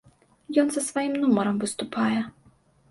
Ён са сваім нумарам выступае.